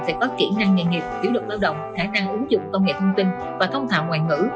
về các kỹ năng nghệ nghiệp kỹ thuật lao động khả năng ứng dụng công nghệ thông tin và thông thạo ngoại ngữ